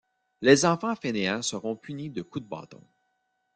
Les enfants fainéants seront punis de coups de bâton.